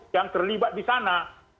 yang terlibat di sana